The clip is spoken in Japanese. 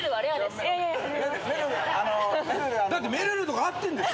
だってめるるとか会ってんでしょ。